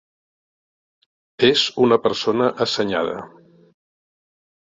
És una persona assenyada.